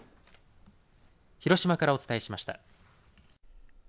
広島からお伝えしました。